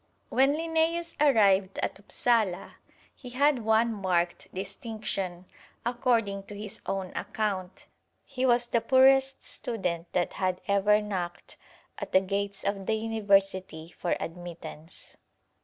When Linnæus arrived at Upsala he had one marked distinction, according to his own account he was the poorest student that had ever knocked at the gates of the University for admittance.